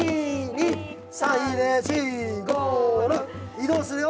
移動するよ。